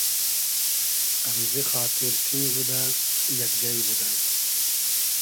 امزی خاتیر ݖینگ بودۂ, یئگ جݷ بودۂ